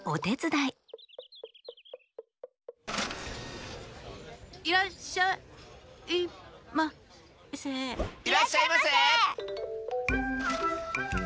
いらっしゃいませ！